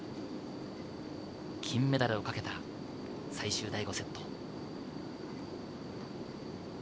金メダルをかけた最終第５セット。